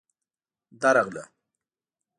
_درغله.